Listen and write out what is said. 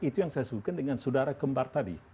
itu yang saya sebutkan dengan saudara kembar tadi